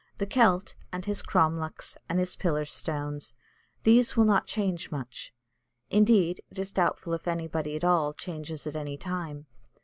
The Celt, and his cromlechs, and his pillar stones, these will not change much indeed, it is doubtful if anybody at all changes at any time.